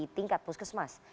di tingkat puskesmas